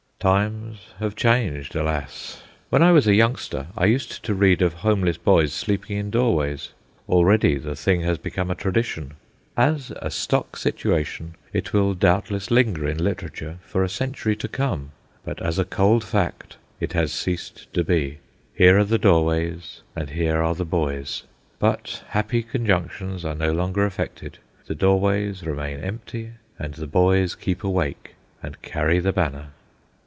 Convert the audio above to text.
Times have changed, alas! When I was a youngster I used to read of homeless boys sleeping in doorways. Already the thing has become a tradition. As a stock situation it will doubtless linger in literature for a century to come, but as a cold fact it has ceased to be. Here are the doorways, and here are the boys, but happy conjunctions are no longer effected. The doorways remain empty, and the boys keep awake and carry the banner.